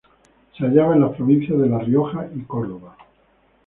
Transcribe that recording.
Se hallaba en las provincias de La Rioja y Córdoba.